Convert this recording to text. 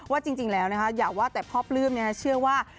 ว่าจริงแล้วนะคะอย่าว่าแต่พ่อปลื้มเชื่อว่า